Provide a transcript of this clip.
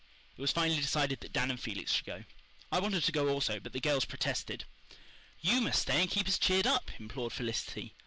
It was finally decided that Dan and Felix should go. I wanted to go also, but the girls protested. "YOU must stay and keep us cheered up," implored Felicity.